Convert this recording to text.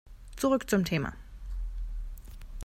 Zurück zum Thema.